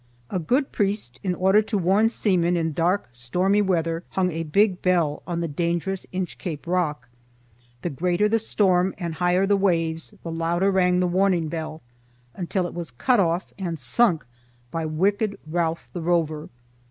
A good priest in order to warn seamen in dark stormy weather hung a big bell on the dangerous Inchcape Rock. The greater the storm and higher the waves, the louder rang the warning bell, until it was cut off and sunk by wicked Ralph the Rover.